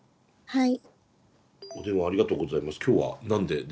はい。